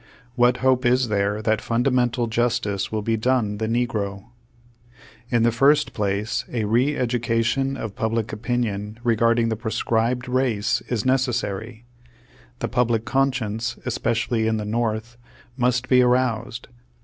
What hope is there that fundamental justice will be done the negro? In the first place, a re education of public opinion regarding the proscribed race is necessary. The public con science, especially in the North, must be aroused.